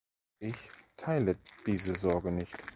Ich teile diese Sorge nicht.